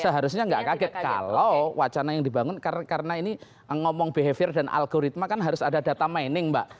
seharusnya nggak kaget kalau wacana yang dibangun karena ini ngomong behavior dan algoritma kan harus ada data mining mbak